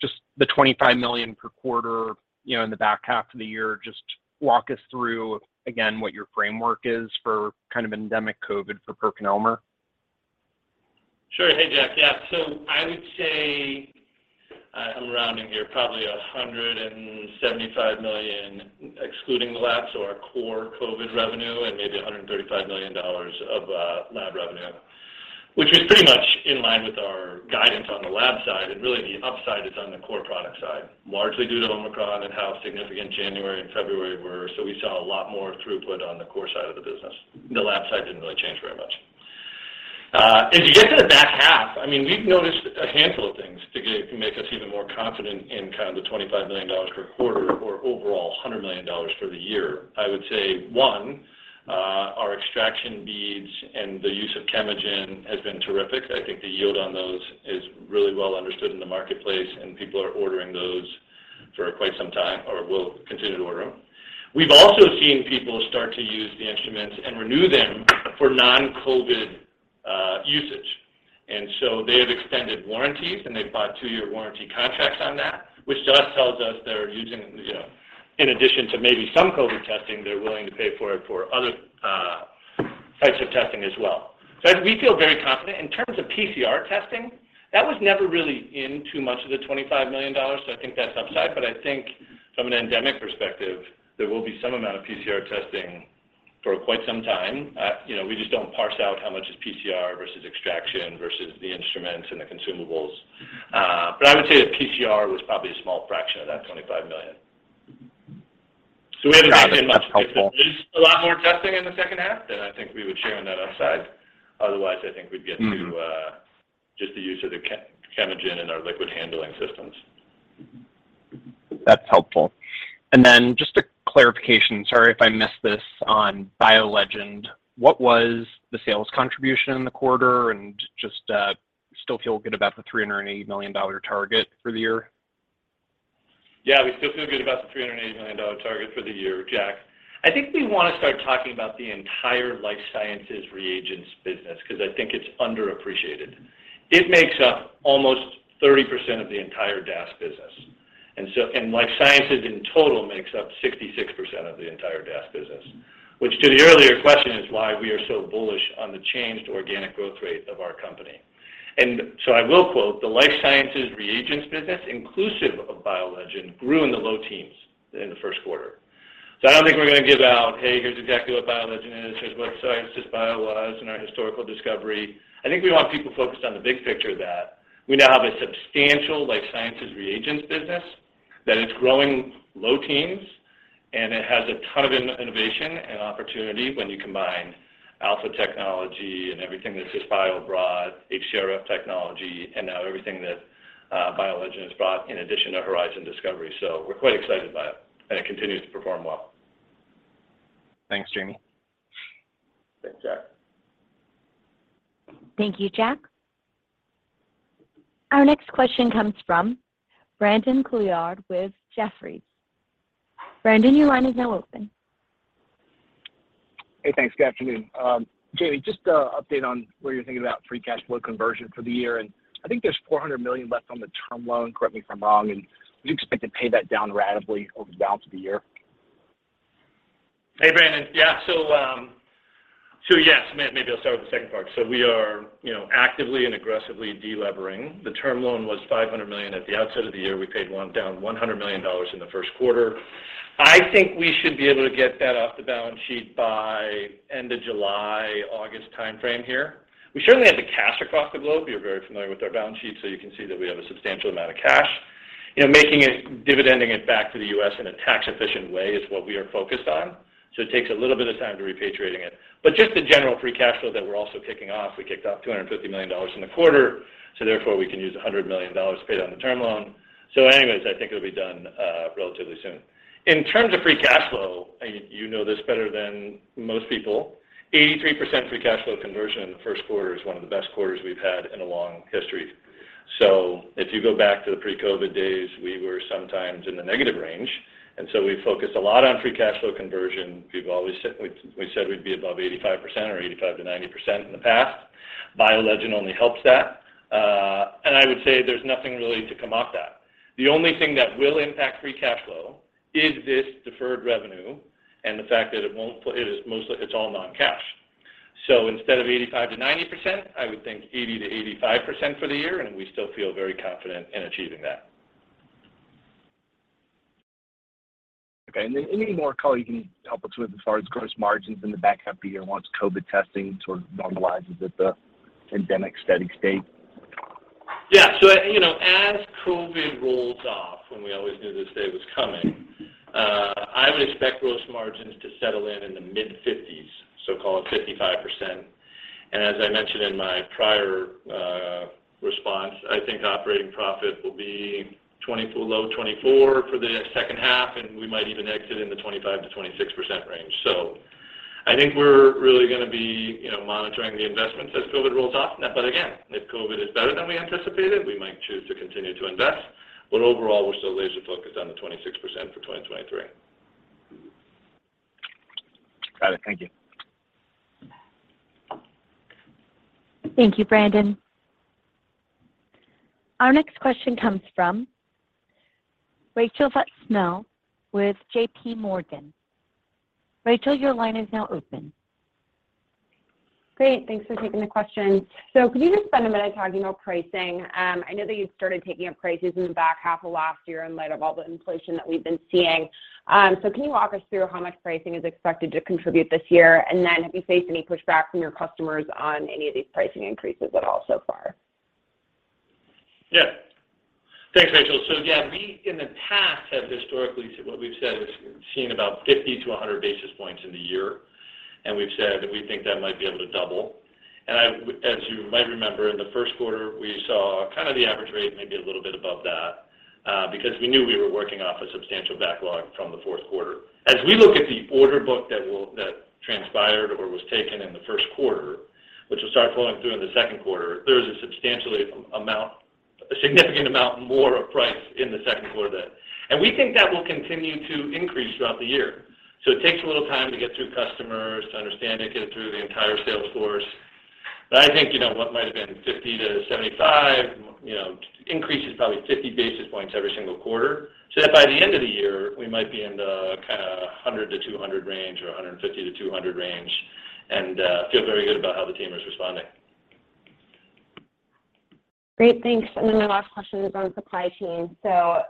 Just the $25 million per quarter, you know, in the back half of the year, just walk us through again what your framework is for kind of endemic COVID for PerkinElmer.
Sure. Hey, Jack. Yeah. I would say, I'm rounding here, probably $175 million, excluding the labs or our core COVID revenue, and maybe $135 million of lab revenue, which is pretty much in line with our guidance on the lab side. Really, the upside is on the core product side, largely due to Omicron and how significant January and February were. We saw a lot more throughput on the core side of the business. The lab side didn't really change very much. As you get to the back half, I mean, we've noticed a handful of things to make us even more confident in kind of the $25 million per quarter or overall $100 million for the year. I would say, one, our extraction beads and the use of chemagic has been terrific. I think the yield on those is really well understood in the marketplace, and people are ordering those for quite some time or will continue to order them. We've also seen people start to use the instruments and renew them for non-COVID usage. They have extended warranties, and they've bought two-year warranty contracts on that, which just tells us they're using, you know, in addition to maybe some COVID testing, they're willing to pay for it for other types of testing as well. We feel very confident. In terms of PCR testing, that was never really in too much of the $25 million, so I think that's upside. I think from an endemic perspective, there will be some amount of PCR testing for quite some time. You know, we just don't parse out how much is PCR versus extraction versus the instruments and the consumables. I would say that PCR was probably a small fraction of that $25 million.
Got it. That's helpful.
We have $1 million plus. If there is a lot more testing in the second half, then I think we would share on that upside. Otherwise, I think we'd get to just the use of the chemagic and our liquid handling systems.
That's helpful. Just a clarification, sorry if I missed this, on BioLegend. What was the sales contribution in the quarter? Just, still feel good about the $380 million target for the year?
Yeah, we still feel good about the $380 million target for the year, Jack. I think we wanna start talking about the entire life sciences reagents business because I think it's underappreciated. It makes up almost 30% of the entire DAS business. Life sciences in total makes up 66% of the entire DAS business, which to the earlier question is why we are so bullish on the changed organic growth rate of our company. I will quote, the life sciences reagents business, inclusive of BioLegend, grew in the low teens in the first quarter. I don't think we're going to give out, "Hey, here's exactly what BioLegend is. Here's what Life Sciences was in our historical discovery. I think we want people focused on the big picture that we now have a substantial life sciences reagents business, that it's growing low teens, and it has a ton of innovation and opportunity when you combine AlphaLISA and everything that's just bio broad, HTRF technology, and now everything that BioLegend has brought in addition to Horizon Discovery. We're quite excited about it, and it continues to perform well.
Thanks, Jamie.
Thanks, Jack.
Thank you, Jack. Our next question comes from Brandon Couillard with Jefferies. Brandon, your line is now open.
Hey, thanks. Good afternoon. Jamie, just an update on what you're thinking about free cash flow conversion for the year, and I think there's $400 million left on the term loan, correct me if I'm wrong, and do you expect to pay that down ratably over the balance of the year?
Hey, Brandon. Yeah, yes, maybe I'll start with the second part. We are, you know, actively and aggressively delevering. The term loan was $500 million. At the outset of the year, we paid down $100 million in the first quarter. I think we should be able to get that off the balance sheet by end of July, August timeframe here. We certainly have the cash across the globe. You're very familiar with our balance sheet, so you can see that we have a substantial amount of cash. You know, making it, dividending it back to the U.S. in a tax-efficient way is what we are focused on. It takes a little bit of time to repatriating it. Just the general free cash flow that we're also kicking off, we kicked off $250 million in the quarter, so therefore we can use $100 million to pay down the term loan. Anyways, I think it'll be done, relatively soon. In terms of free cash flow, and you know this better than most people, 83% free cash flow conversion in the first quarter is one of the best quarters we've had in a long history. If you go back to the pre-COVID days, we were sometimes in the negative range, and so we focused a lot on free cash flow conversion. We've always said we'd be above 85% or 85%-90% in the past. BioLegend only helps that, and I would say there's nothing really to come off that. The only thing that will impact free cash flow is this deferred revenue and the fact that it's all non-cash. Instead of 85%-90%, I would think 80%-85% for the year, and we still feel very confident in achieving that.
Okay. Then any more color you can help us with as far as gross margins in the back half of the year once COVID testing sort of normalizes at the endemic steady state?
Yeah. You know, as COVID rolls off, and we always knew this day was coming, I would expect gross margins to settle in in the mid-50s. We'll call it 55%. As I mentioned in my prior response, I think operating profit will be low 24% for the second half, and we might even exit in the 25%-26% range. I think we're really gonna be, you know, monitoring the investments as COVID rolls off. But again, if COVID is better than we anticipated, we might choose to continue to invest, but overall we're still laser-focused on the 26% for 2023.
Got it. Thank you.
Thank you, Brandon. Our next question comes from Rachel Vatnsdal with JPMorgan. Rachel, your line is now open.
Great. Thanks for taking the question. Could you just spend a minute talking about pricing? I know that you started taking up prices in the back half of last year in light of all the inflation that we've been seeing. Can you walk us through how much pricing is expected to contribute this year? Then have you faced any pushback from your customers on any of these pricing increases at all so far?
Yeah. Thanks, Rachel. Yeah, we in the past have historically what we've said is seen about 50-100 basis points in the year, and we've said that we think that might be able to double. As you might remember in the first quarter, we saw kind of the average rate, maybe a little bit above that, because we knew we were working off a substantial backlog from the fourth quarter. As we look at the order book that transpired or was taken in the first quarter, which will start flowing through in the second quarter, there is a significant amount more of price in the second quarter there. We think that will continue to increase throughout the year. It takes a little time to get through customers to understand it, get it through the entire sales force. I think, you know, what might've been 50-75, you know, increases probably 50 basis points every single quarter, so that by the end of the year we might be in the kinda 100-200 range or 150-200 range and feel very good about how the team is responding.
Great. Thanks. My last question is on supply chain.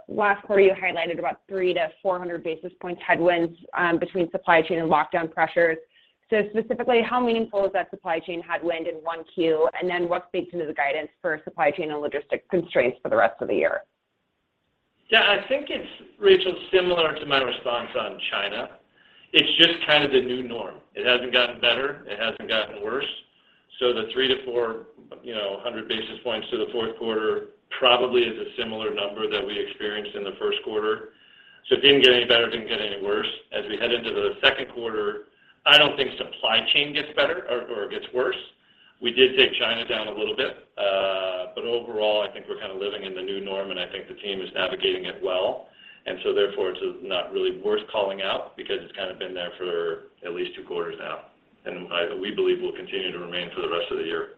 Last quarter you highlighted about 300-400 basis points headwinds between supply chain and lockdown pressures. Specifically, how meaningful is that supply chain headwind in one Q? What speaks into the guidance for supply chain and logistics constraints for the rest of the year?
Yeah. I think it's, Rachel, similar to my response on China. It's just kind of the new norm. It hasn't gotten better. It hasn't gotten worse. The 300-400 basis points to the fourth quarter probably is a similar number that we experienced in the first quarter. It didn't get any better, it didn't get any worse. As we head into the second quarter, I don't think supply chain gets better or gets worse. We did take China down a little bit. But overall I think we're kind of living in the new norm, and I think the team is navigating it well. Therefore it's not really worth calling out because it's kind of been there for at least two quarters now, and we believe will continue to remain for the rest of the year.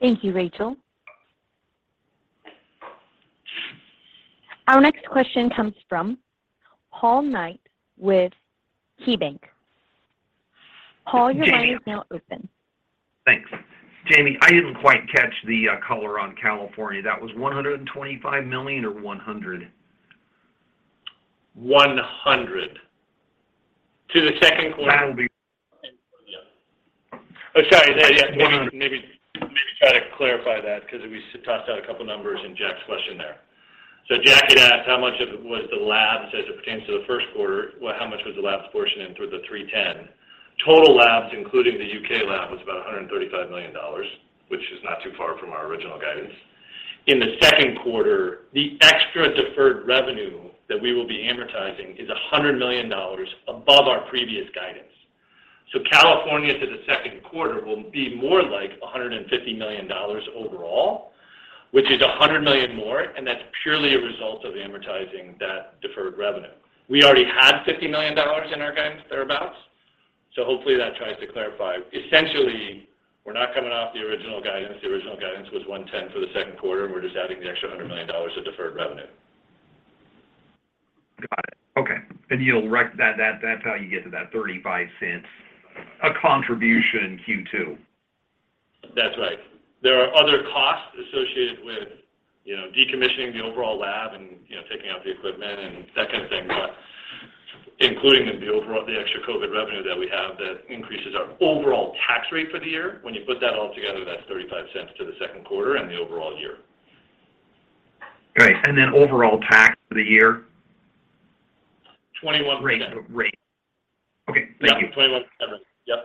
Thank you, Rachel. Our next question comes from Paul Knight with KeyBanc. Paul, your line is now open.
Thanks. Jamey, I didn't quite catch the color on California. That was $125 million or $100 million?
100. To the second quarter.
That'll be.
Oh, sorry. Yeah, yeah. Maybe try to clarify that 'cause we tossed out a couple numbers in Jack's question there. Jack had asked how much of it was the labs as it pertains to the first quarter. Well, how much was the labs portion in through the 3/10? Total labs, including the UK lab, was about $135 million, which is not too far from our original guidance. In the second quarter, the extra deferred revenue that we will be amortizing is $100 million above our previous guidance. Call it for the second quarter will be more like $150 million overall, which is $100 million more, and that's purely a result of amortizing that deferred revenue. We already had $50 million in our guidance, thereabouts, so hopefully that tries to clarify. Essentially, we're not coming off the original guidance. The original guidance was $110 million for the second quarter. We're just adding the extra $100 million of deferred revenue.
Got it. Okay. You'll recall that that's how you get to that $0.35 contribution in Q2.
That's right. There are other costs associated with, you know, decommissioning the overall lab and, you know, taking out the equipment and that kind of thing. Including the overall extra COVID revenue that we have, that increases our overall tax rate for the year. When you put that all together, that's $0.35 to the second quarter and the overall year.
Right. Overall tax for the year?
21%.
Rate. Okay. Thank you.
Yeah. 21 seven. Yep.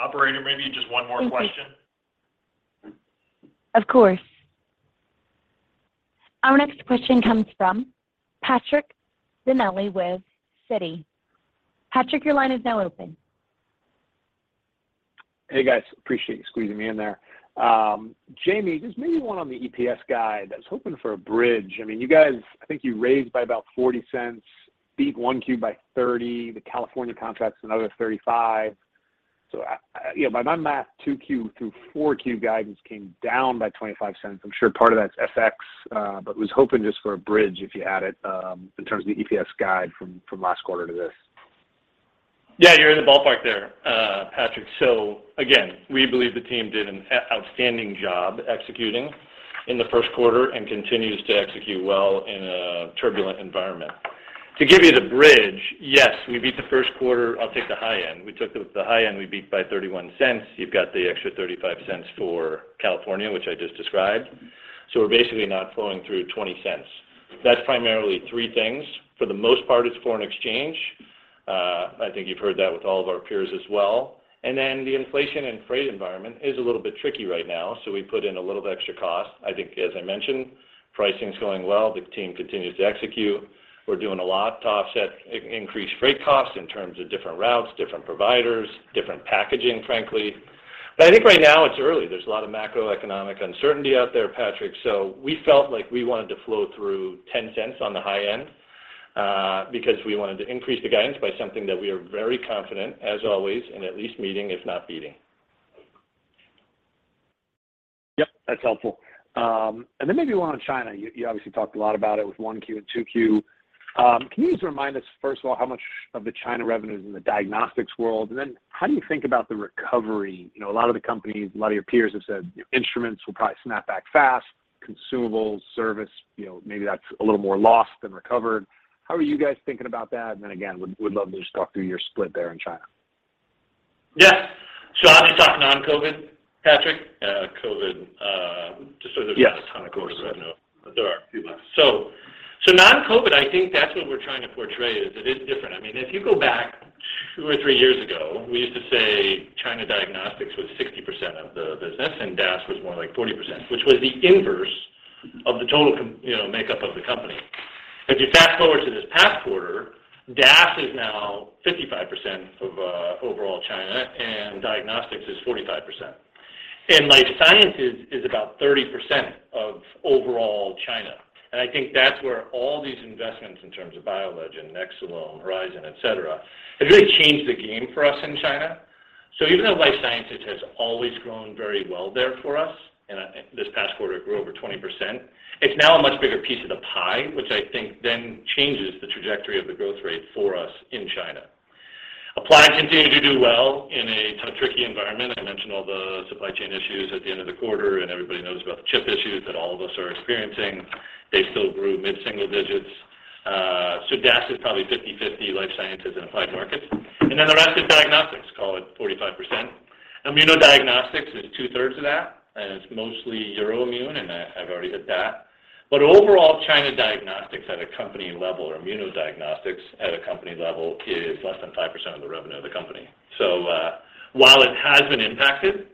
Operator, maybe just one more question.
Thank you. Of course. Our next question comes from Patrick Donnelly with Citi. Patrick, your line is now open.
Hey, guys. Appreciate you squeezing me in there. Jamie, just maybe one on the EPS guide. I was hoping for a bridge. I mean, you guys, I think you raised by about $0.40, beat 1Q by $0.30, the California contract's another $0.35. So I, you know, by my math, 2Q through 4Q guidance came down by $0.25. I'm sure part of that's FX, but was hoping just for a bridge, if you had it, in terms of the EPS guide from last quarter to this.
Yeah, you're in the ballpark there, Patrick. So again, we believe the team did an outstanding job executing in the first quarter and continues to execute well in a turbulent environment. To give you the bridge, yes, we beat the first quarter. I'll take the high end. We took the high end, we beat by $0.31. You've got the extra $0.35 for California, which I just described. So we're basically not flowing through $0.20. That's primarily three things. For the most part, it's foreign exchange. I think you've heard that with all of our peers as well. Then the inflation and freight environment is a little bit tricky right now, so we put in a little bit extra cost. I think, as I mentioned, pricing's going well. The team continues to execute. We're doing a lot to offset increased freight costs in terms of different routes, different providers, different packaging, frankly. I think right now it's early. There's a lot of macroeconomic uncertainty out there, Patrick, so we felt like we wanted to flow through $0.10 on the high end, because we wanted to increase the guidance by something that we are very confident, as always, in at least meeting, if not beating.
Yep, that's helpful. Maybe one on China. You obviously talked a lot about it with 1Q and 2Q. Can you just remind us, first of all, how much of the China revenue is in the diagnostics world? And then how do you think about the recovery? You know, a lot of the companies, a lot of your peers have said instruments will probably snap back fast. Consumables, service, you know, maybe that's a little more lost than recovered. How are you guys thinking about that? And then again, would love to just talk through your split there in China.
Yeah. Are we talking non-COVID, Patrick?
COVID.
Yes.
not a ton of quarter to quarter.
No.
There are a few left.
Non-COVID, I think that's what we're trying to portray is it is different. I mean, if you go back 2 or 3 years ago, we used to say China diagnostics was 60% of the business, and DAS was more like 40%, which was the inverse of the total you know, makeup of the company. If you fast forward to this past quarter, DAS is now 55% of overall China, and diagnostics is 45%. Life Sciences is about 30% of overall China. I think that's where all these investments in terms of BioLegend, Nexcelom, Horizon, et cetera, have really changed the game for us in China. Even though life sciences has always grown very well there for us, and this past quarter it grew over 20%, it's now a much bigger piece of the pie, which I think then changes the trajectory of the growth rate for us in China. Applied continued to do well in a tricky environment. I mentioned all the supply chain issues at the end of the quarter, and everybody knows about the chip issues that all of us are experiencing. They still grew mid-single digits%. DAS is probably 50/50 life sciences and applied markets. The rest is diagnostics, call it 45%. Immuno diagnostics is 2/3 of that, and it's mostly Euroimmun, and I've already hit that. Overall, China diagnostics at a company level or immuno diagnostics at a company level is less than 5% of the revenue of the company. While it has been impacted,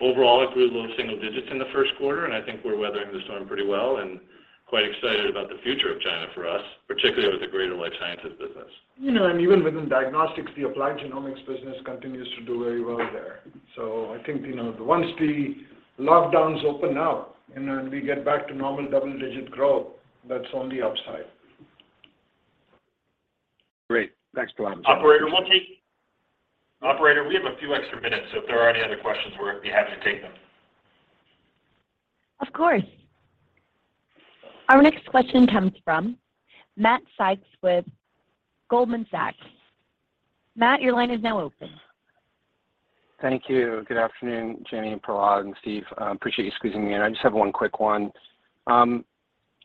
overall it grew low single digits in the first quarter, and I think we're weathering the storm pretty well and quite excited about the future of China for us, particularly with the greater Life Sciences business.
You know, even within diagnostics, the applied genomics business continues to do very well there. I think, you know, once the lockdowns open up and then we get back to normal double-digit growth, that's on the upside.
Great. Thanks, Prahlad.
Operator, we have a few extra minutes, so if there are any other questions, we'll be happy to take them.
Of course. Our next question comes from Matthew Sykes with Goldman Sachs. Matt, your line is now open.
Thank you. Good afternoon, Jamie and Prahlad and Steve. Appreciate you squeezing me in. I just have one quick one. You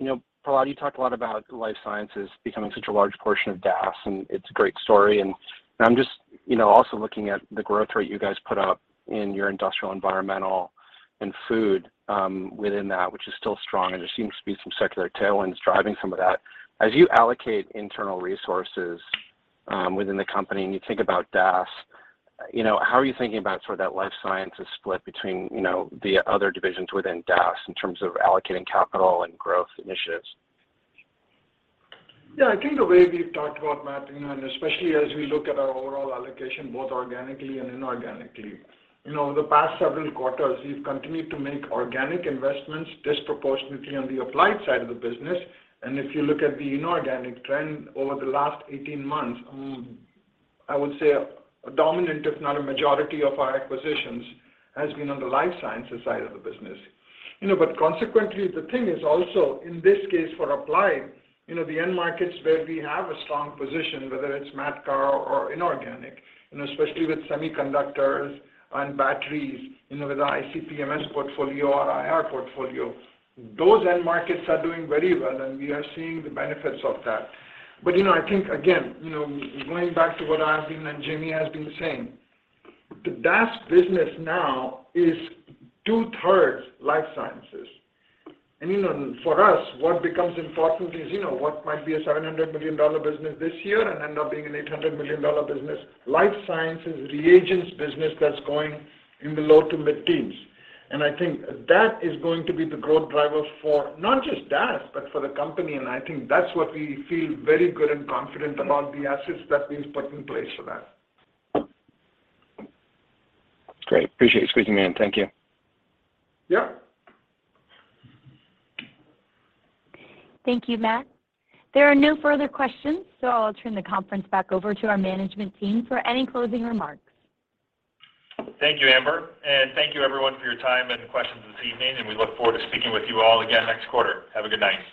know, Prahlad, you talked a lot about Life Sciences becoming such a large portion of DAS, and it's a great story. I'm just, you know, also looking at the growth rate you guys put up in your industrial, environmental, and food within that, which is still strong, and there seems to be some secular tailwinds driving some of that. As you allocate internal resources within the company and you think about DAS, you know, how are you thinking about sort of that Life Sciences split between, you know, the other divisions within DAS in terms of allocating capital and growth initiatives?
Yeah. I think the way we've talked about, Matt, you know, and especially as we look at our overall allocation, both organically and inorganically, you know, the past several quarters, we've continued to make organic investments disproportionately on the applied side of the business. If you look at the inorganic trend over the last 18 months, I would say a dominant, if not a majority, of our acquisitions has been on the Life Sciences side of the business. You know, consequently, the thing is also, in this case for Applied, you know, the end markets where we have a strong position, whether it's MACRA or inorganic, and especially with semiconductors and batteries, you know, with the ICP-MS portfolio or IR portfolio, those end markets are doing very well, and we are seeing the benefits of that. You know, I think again, you know, going back to what I've been and Jamie has been saying, the DAS business now is two-thirds life sciences. You know, for us, what becomes important is, you know, what might be a $700 million business this year and end up being an $800 million business, life sciences reagents business that's going in the low- to mid-teens%. I think that is going to be the growth driver for not just DAS, but for the company. I think that's what we feel very good and confident about the assets that we've put in place for that.
Great. Appreciate you squeezing me in. Thank you.
Yeah.
Thank you, Matt. There are no further questions, so I'll turn the conference back over to our management team for any closing remarks.
Thank you, Amber, and thank you everyone for your time and questions this evening, and we look forward to speaking with you all again next quarter. Have a good night.